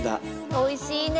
おいしいね。